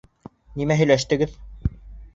Нимә һөйләштегеҙ?